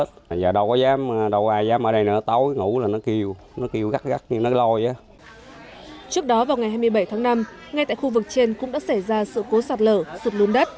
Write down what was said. trước đó vào ngày hai mươi bảy tháng năm ngay tại khu vực trên cũng đã xảy ra sự cố sạt lở sụp lún đất